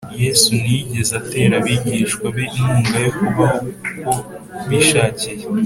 Yesu ntiyigeze atera abigishwa be inkunga yo kubaho uko bishakiye